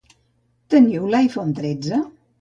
Teniu l'iPhone tretze?